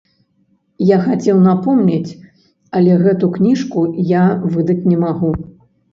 Я хацеў напомніць, але гэту кніжку я выдаць не магу.